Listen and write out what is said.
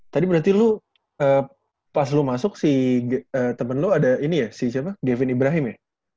tadi berarti lo pas lo masuk temen lo ada ini ya si gavin ibrahim ya